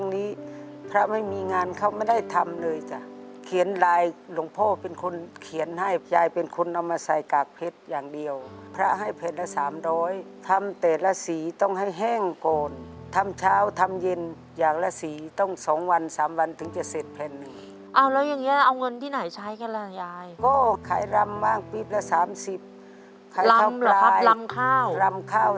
มีความรู้สึกว่ามีความรู้สึกว่ามีความรู้สึกว่ามีความรู้สึกว่ามีความรู้สึกว่ามีความรู้สึกว่ามีความรู้สึกว่ามีความรู้สึกว่ามีความรู้สึกว่ามีความรู้สึกว่ามีความรู้สึกว่ามีความรู้สึกว่ามีความรู้สึกว่ามีความรู้สึกว่ามีความรู้สึกว่ามีความรู้สึกว